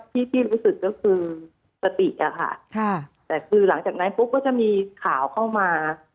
ที่ที่รู้สึกก็คือสติอะค่ะแต่คือหลังจากนั้นปุ๊บก็จะมีข่าวเข้ามา